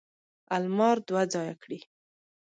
المار دوه ځایه کړي.